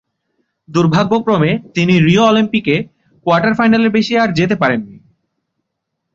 দুর্ভাগ্যক্রমে তিনি রিও অলিম্পিকে কোয়ার্টার ফাইনালের বেশি আর যেতে পারেননি।